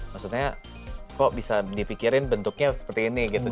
maksudnya kok bisa dipikirin bentuknya seperti ini gitu